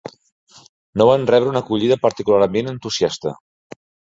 No van rebre una acollida particularment entusiasta.